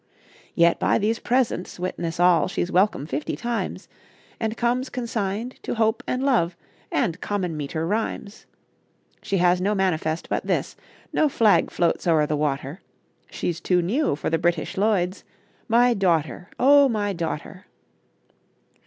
Yet by these presents witness all She's welcome fifty times, And comes consigned to Hope and Love And common meter rhymes. She has no manifest but this, No flag floats o'er the water, She's too new for the British Lloyds My daughter, O my daughter!